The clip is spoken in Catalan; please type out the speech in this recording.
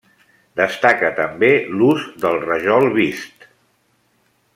Destaca també l'ús del rajol vist.